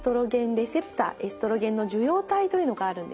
レセプターエストロゲンの受容体というのがあるんですね。